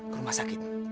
ke rumah sakit